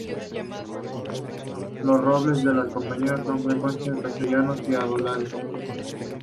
A los robles los acompañan con frecuencia castaños y abedules.